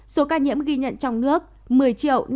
số ca nhiễm ghi nhận trong nước một mươi triệu